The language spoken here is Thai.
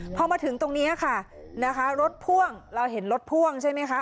พอมาถึงตรงนี้ค่ะนะคะรถพ่วงเราเห็นรถพ่วงใช่ไหมคะ